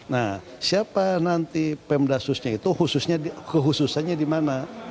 nah siapa nanti pem dasusnya itu khususnya di mana